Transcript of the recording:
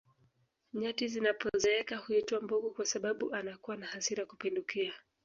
nyati anapozeeka huitwa mbogo kwa sababu anakuwa na hasira kupindukia